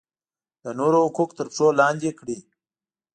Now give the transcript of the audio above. د نورو حقوق تر پښو لاندې کړي.